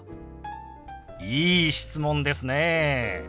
いい質問ですね。